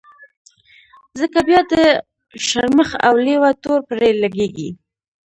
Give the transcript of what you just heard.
ځکه بيا د شرمښ او لېوه تور پرې لګېږي.